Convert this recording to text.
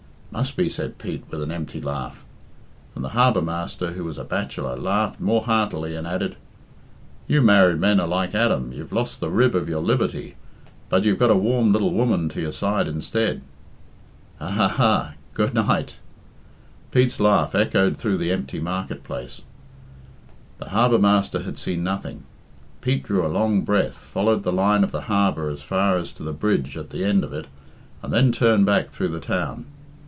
"Must be," said Pete, with an empty laugh. And the harbour master, who was a bachelor, laughed more heartily, and added "You married men are like Adam, you've lost the rib of your liberty, but you've got a warm little woman to your side instead." "Ha! ha! ha! Goodnight!" Pete's laugh echoed through the empty market place. The harbour master had seen nothing. Pete drew a long breath, followed the line of the harbour as far as to the bridge at the end of it, and then turned back through the town.